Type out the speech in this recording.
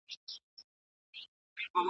دغه کڅوڼه په بازار کي پیدا کېږي.